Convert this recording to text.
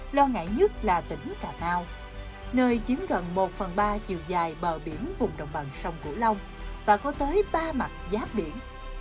lo ngại nhất là tỉnh cà mau nơi chiếm gần một phần ba chiều dài bờ biển vùng đồng bằng sông cửu long và có tới ba mặt giáp biển